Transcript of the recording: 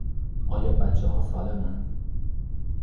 آیا بچها سَالم اند؟